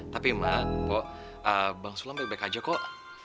tapi mak kok bang sulam baik baik aja kok